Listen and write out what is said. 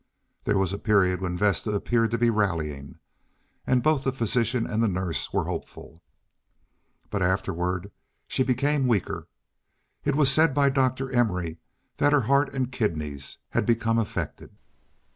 There was a period when Vesta appeared to be rallying, and both the physician and the nurse were hopeful; but afterward she became weaker. It was said by Dr. Emory that her heart and kidneys had become affected.